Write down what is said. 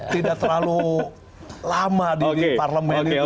tidak terlalu lama di parlemen itu